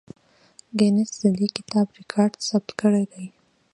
ګینس د دې کتاب ریکارډ ثبت کړی دی.